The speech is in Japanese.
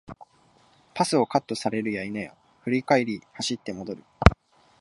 パスをカットされるや振り返り走って戻る